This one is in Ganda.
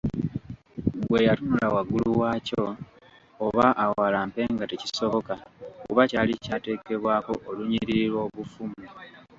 Bwe yatunula waggulu waakyo oba awalampe nga tekisoboka kuba kyali kyateekebwako olunyiriri lw’obufumu.